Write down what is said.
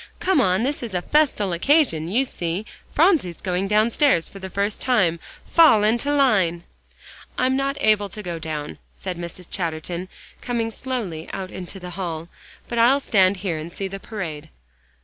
"Come on, this is a festal occasion, you see; Phronsie's going downstairs for the first time. Fall into line!" "I'm not able to go down," said Mrs. Chatterton, coming slowly out into the hall, "but I'll stand here and see the parade."